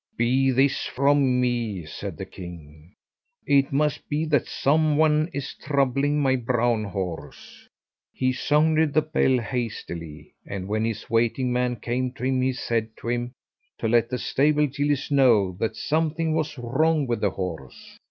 "Be this from me," said the king; "it must be that some one is troubling my brown horse." He sounded the bell hastily, and when his waiting man came to him, he said to him to let the stable gillies know that something was wrong with the horse.